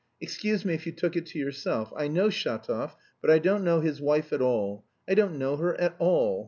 Excuse me if you took it to yourself. I know Shatov, but I don't know his wife at all... I don't know her at all!"